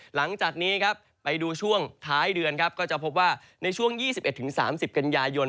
หลังจากนี้ครับไปดูช่วงท้ายเดือนครับก็จะพบว่าในช่วง๒๑๓๐กันยายน